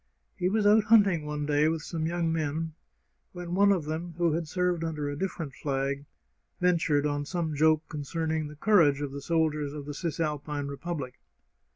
He was out hunting one day with some young men, when one of them, who had served under a different flag, ventured on some joke concerning the courage of the soldiers of the Cisalpine Republic.